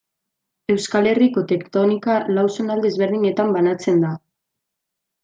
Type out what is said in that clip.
Euskal Herriko tektonika lau zonalde ezberdinetan banatzen da.